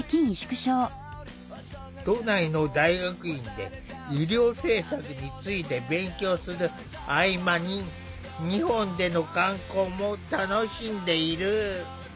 都内の大学院で医療政策について勉強する合間に日本での観光も楽しんでいる。